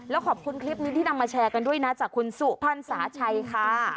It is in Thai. แล้วขอบคุณคลิปนี้ที่นำมาแชร์กันด้วยนะจากคุณสุพรรณสาชัยค่ะ